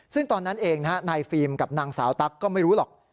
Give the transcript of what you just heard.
ซึ่งตอนนั้นเองนายฟิล์มกับนางสาวตั๊กก็ไม่รู้หรอก